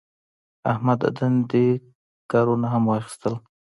احمد د دندې کارونه هم واخیستل.